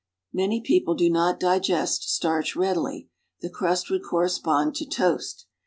Many people do not digest starch readily. The crust would correspond to toast.